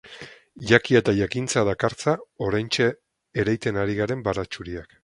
Jakia eta jakintza dakartza oraintxe ereiten ari garen baratxuriak.